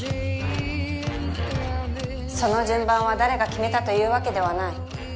その順番は誰が決めたというわけではない。